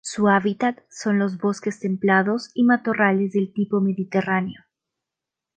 Su hábitat son los bosques templados y matorrales del tipo mediterráneo.